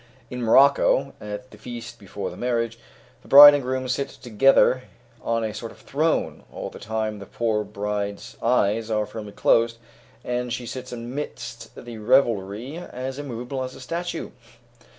In Morocco, at the feast before the marriage, the bride and groom sit together on a sort of throne; all the time, the poor bride's eyes are firmly closed, and she sits amidst the revelry as immovable as a statue.